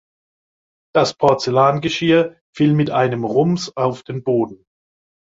Das Porzellangeschirr fiel mit einem Rums auf den Boden.